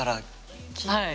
はい。